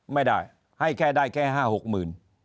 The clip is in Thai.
ไม่ได้ให้แค่ได้แค่๕๖หมื่น